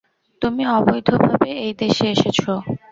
তুমি অবৈধভাবে এই দেশে এসেছ।